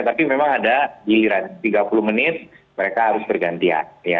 tapi memang ada giliran tiga puluh menit mereka harus bergantian